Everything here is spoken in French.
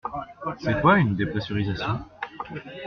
C'est quoi une dépressurisation?